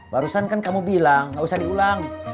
barusan kan kamu bilang gak usah diulang